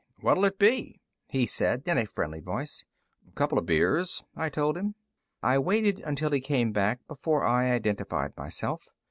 "What'll it be?" he said in a friendly voice. "Couple of beers," I told him. I waited until he came back before I identified myself.